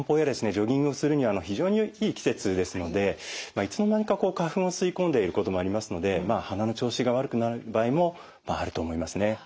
ジョギングするには非常にいい季節ですのでいつの間にか花粉を吸い込んでいることもありますので鼻の調子が悪くなる場合もあると思いますね。